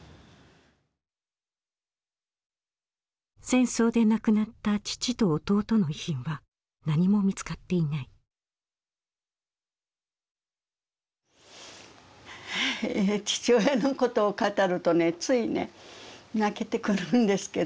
戦争で亡くなった父と弟の遺品は何も見つかっていない父親のことを語るとねついね泣けてくるんですけどね。